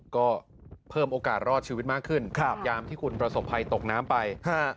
ก็เพิ่มโอกาสรอดชีวิตมากขึ้นยามที่คุณประสบภัยตกน้ำไป